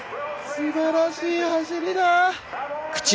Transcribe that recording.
すばらしい走りだ。